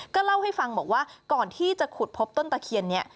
ก็เล่าให้ฟังบอกว่าก่อนที่จะขุดพบต้นตะเคียนนี้